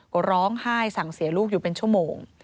ก็ร้องไห้สั่งเสียลูกอยู่เป็นชั่วโมง